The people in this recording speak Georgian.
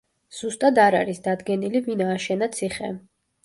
ზუსტად არ არის დადგენილი, ვინ ააშენა ციხე.